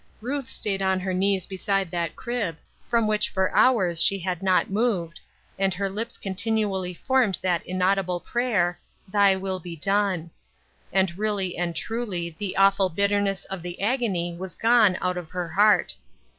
Ruth staid on her knees beside that crib, from which for hours she had not moved, and her lips continually formed that inaudible prayer, " Thy will be done." And really and truly the awful bitterness of the agony was gone out of her heart.